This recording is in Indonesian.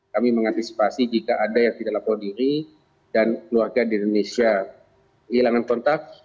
kami mengantisipasi jika ada yang tidak lapor diri dan keluarga di indonesia kehilangan kontak